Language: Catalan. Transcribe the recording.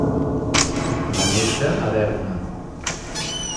Va néixer a Berna.